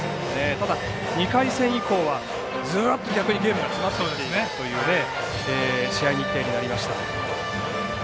ただ２回戦以降は逆にずっとゲームが詰まっているという試合日程になりました。